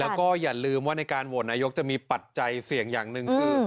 แล้วก็อย่าลืมว่าในการโหวตนายกจะมีปัจจัยเสี่ยงอย่างหนึ่งคือ